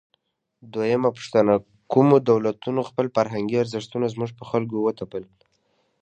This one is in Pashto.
دویمه پوښتنه: کومو دولتونو خپل فرهنګي ارزښتونه زموږ پر خلکو وتپل؟